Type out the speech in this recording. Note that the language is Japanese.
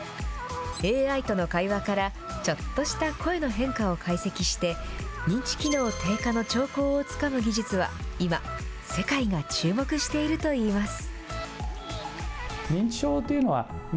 ＡＩとの会話から、ちょっとした声の変化を解析して、認知機能低下の兆候をつかむ技術は今、世界が注目しているといいます。